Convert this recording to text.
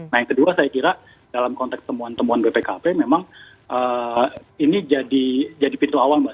nah yang kedua saya kira dalam konteks temuan temuan bpkp memang ini jadi pintu awal mbak